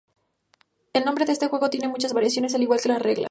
El nombre de este juego tiene muchas variaciones, al igual que las reglas.